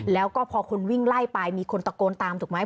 แล้วก็พอคนวิ่งไล่ไปมีคนตะโกนตามถูกไหม